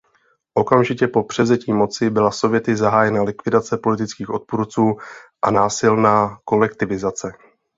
Okamžitě po převzetí moci byla sověty zahájena likvidace politických odpůrců a násilná kolektivizace.